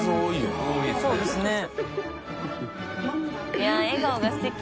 いや笑顔がすてき。